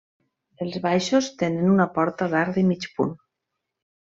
Els baixos tenen una porta d'arc de mig punt.